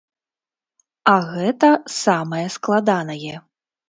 А гэта самае складанае.